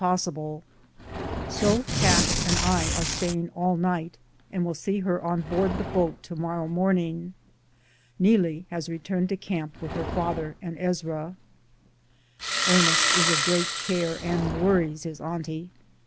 possible ; so Cash and I are staying all night, and will see her on board the boat to morrow morning. Neelie has returned to camp with her father and Ezra. Ernest is a great care and worries his auntie.